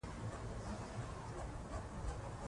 که موږ نن سمه پریکړه وکړو.